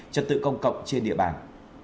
trật tự công cộng trên địa bàn